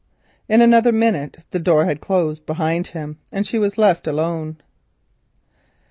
In another minute the door had closed behind him and she was left alone.